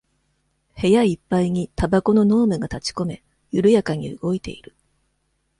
部屋いっぱいにタバコの濃霧がたちこめ、ゆるやかに動いている。